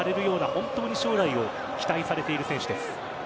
本当に将来を期待されている選手です。